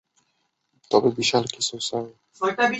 তবে বিশাল কিছু, স্যার।